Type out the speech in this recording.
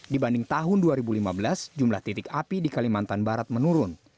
dibanding tahun dua ribu lima belas jumlah titik api di kalimantan barat menurun